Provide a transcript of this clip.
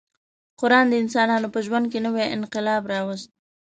قران د انسانانو په ژوند کې نوی انقلاب راوست.